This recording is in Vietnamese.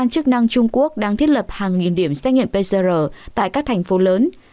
trung quốc đã lập hàng nghìn điểm xét nghiệm pcr tại các thành phố lớn